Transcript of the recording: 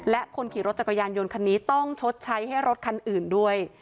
และคนขี่รถจักรยานยนต์คันนี้ต้องชดใช้ให้รถคันอื่นด้วย